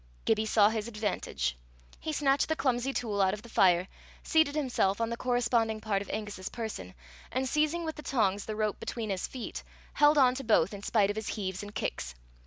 Gibbie saw his advantage. He snatched his clumsy tool out of the fire, seated himself on the corresponding part of Angus's person, and seizing with the tongs the rope between his feet, held on to both, in spite of his heaves and kicks.